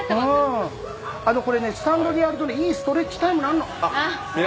これスタンドでやるといいストレッチタイムになるの。